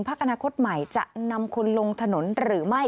อนาคตใหม่จะนำคุณลงถนนหรือไม่